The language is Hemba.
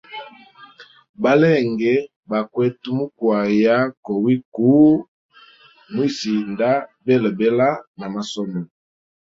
Balenge baka mukwayanga kuwiku mwisinda belabela ma masomo.